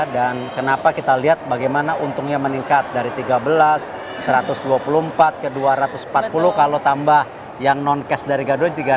dan kenapa kita lihat bagaimana untungnya meningkat dari tiga belas satu ratus dua puluh empat ke dua ratus empat puluh kalau tambah yang non cash dari gado tiga ratus